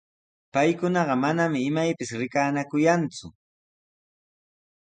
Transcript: Paykunaqa manami imaypis rikanakuyanku,